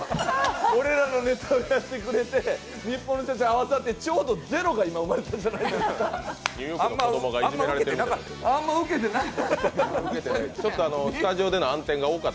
俺らのネタをやってくれてニッポンの社長が合わさってちょうどゼロが今生まれたじゃないですか。